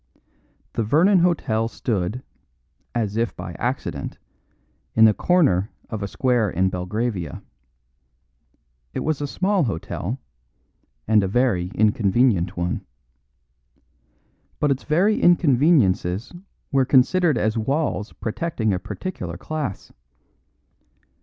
The Vernon Hotel stood, as if by accident, in the corner of a square in Belgravia. It was a small hotel; and a very inconvenient one. But its very inconveniences were considered as walls protecting a particular class.